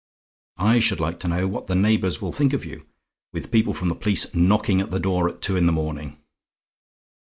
I should like to know what the neighbours will think of you, with people from the police knocking at the door at two in the morning?